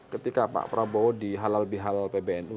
ketika pak prabowo di halal bi halal pbnu